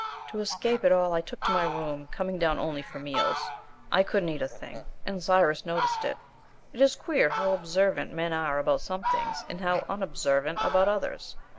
To escape it all I took to my room, coming down only for meals. I couldn't eat a thing, and Cyrus noticed it it is queer how observant men are about some things and how unobservant about others.